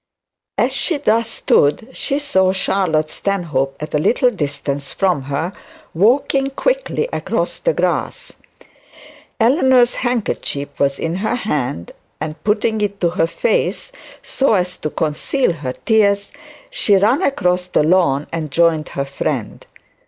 As she thus stood, she saw Charlotte Stanhope at a little distance from her walking quickly across the grass. Eleanor's handkerchief was in her hand, and putting it to her face so as to conceal her tears, she ran across the lawn and joined her friend.